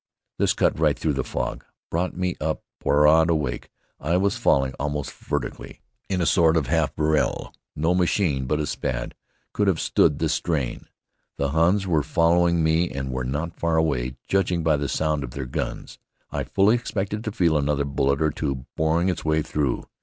This cut right through the fog, brought me up broad awake. I was falling almost vertically, in a sort of half vrille. No machine but a Spad could have stood the strain. The Huns were following me and were not far away, judging by the sound of their guns. I fully expected to feel another bullet or two boring its way through.